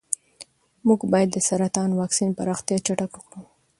موږ باید د سرطان واکسین پراختیا چټکه کړو.